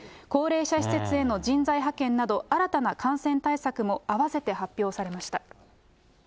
高齢者施設への人材派遣など、新たな感染対策もあわせて発表されました。